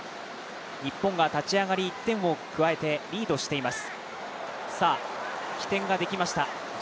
日本が立ち上がり１点を加えてリードしています。